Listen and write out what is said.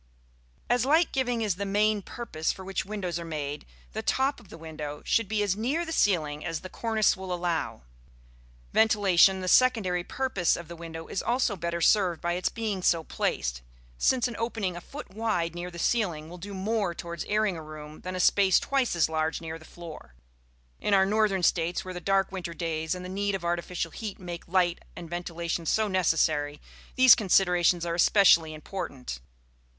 As light giving is the main purpose for which windows are made, the top of the window should be as near the ceiling as the cornice will allow. Ventilation, the secondary purpose of the window, is also better served by its being so placed, since an opening a foot wide near the ceiling will do more towards airing a room than a space twice as large near the floor. In our northern States, where the dark winter days and the need of artificial heat make light and ventilation so necessary, these considerations are especially important.